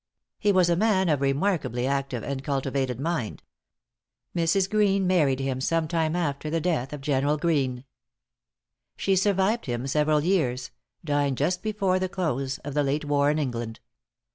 He was a man of remarkably active and cultivated mind. Mrs. Greene married him some time after the death of General Greene. She survived him several years dying just before the close of the late war with England.